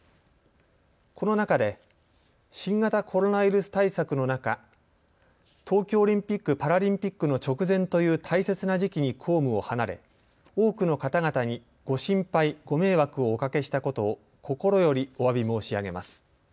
この中で新型コロナウイルス対策の中、東京オリンピック・パラリンピックの直前という大切な時期に公務を離れ多くの方々にご心配、ご迷惑をおかけしたことを心よりおわび申し上げます。